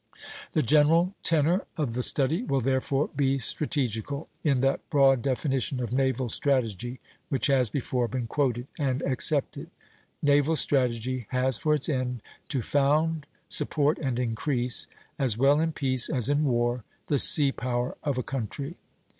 The general tenor of the study will therefore be strategical, in that broad definition of naval strategy which has before been quoted and accepted: "Naval strategy has for its end to found, support, and increase, as well in peace as in war, the sea power of a country."